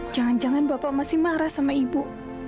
jangan jangan bapak masih marah sama ibu